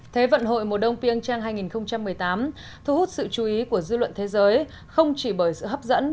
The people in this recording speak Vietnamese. thế vận hội mùa đông piêng trang hai nghìn một mươi tám thu hút sự chú ý của dư luận thế giới không chỉ bởi sự hấp dẫn